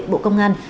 bộ công an